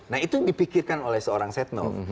nah itu yang dipikirkan oleh seorang setnov